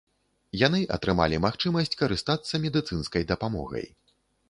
Яны атрымалі магчымасць карыстацца медыцынскай дапамогай.